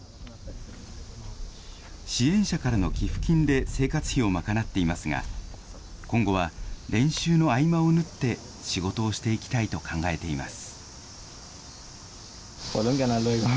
支援者からの寄付金で生活費を賄っていますが、今後は練習の合間を縫って、仕事をしていきたいと考えています。